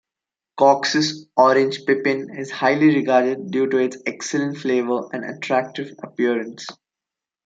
'Cox's Orange Pippin' is highly regarded due to its excellent flavour and attractive appearance.